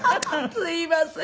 すいません。